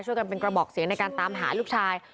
กันเป็นกระบอกเสียงในการตามหาลูกชาย